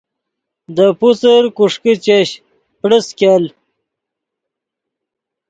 دے پوسر کوݰیکے چش پڑس ګیل